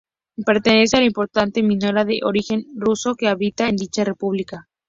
Pertenece a la importante minoría de origen ruso que habita en dicha república.